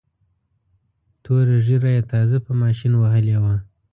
توره ږیره یې تازه په ماشین وهلې وه.